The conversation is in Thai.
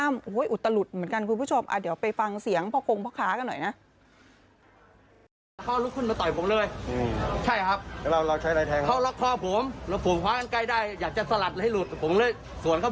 ไม่ได้ใกล้ได้อยากจะสลัดให้หลุดผมเลยสวนเข้าไปเลยผมนั่งกินข้าวโพดอยู่เฉยเปิดกล้องมุมจ้อนปิดดูก็ได้ครับ